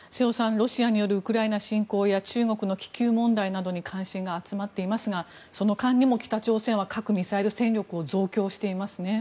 ロシアによるウクライナ侵攻や中国の気球問題などに関心が集まっていますがその間にも北朝鮮は核・ミサイル戦力を増強していますね。